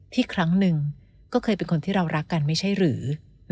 ครั้งหนึ่งก็เคยเป็นคนที่เรารักกันไม่ใช่หรือ